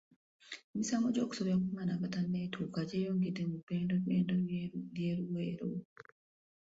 Emisango gy'okusobya ku baana abatanneetuuka gyeyongedde mu bbendobendo ly'e Luweero.